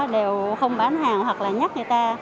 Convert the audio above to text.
đều không bán hàng hoặc là nhắc người ta